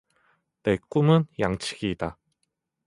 내 꿈은 양치기이다.